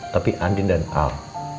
tapi andin dan al